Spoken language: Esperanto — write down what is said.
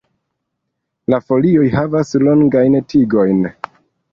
La folioj havas longajn tigojn.